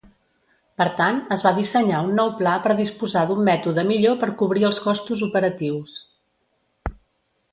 Per tant, es va dissenyar un nou pla per disposar d'un mètode millor per cobrir els costos operatius.